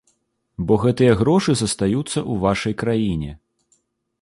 Бо гэтыя грошы застаюцца ў вашай краіне.